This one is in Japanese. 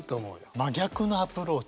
真逆のアプローチ。